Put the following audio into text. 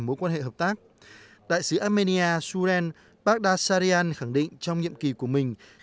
mối quan hệ hợp tác đại sứ armenia surin baghdad sarian khẳng định trong nhiệm kỳ của mình